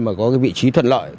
mà có vị trí thuận lợi